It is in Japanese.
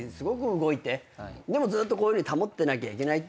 でもずーっとこういうふうに保ってなきゃいけないっていう。